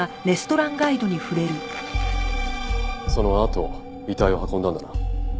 そのあと遺体を運んだんだな。